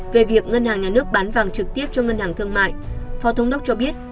về việc ngân hàng nhà nước bán vàng trực tiếp cho ngân hàng thương mại phó thống đốc cho biết